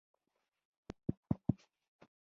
نوښت د اوبدنې صنعت په برخه کې اسانتیا رامنځته کړه.